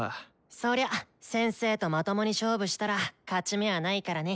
そりゃ先生とまともに勝負したら勝ち目はないからね。